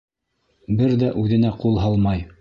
Бер ҙә үҙенә ҡул һалмай.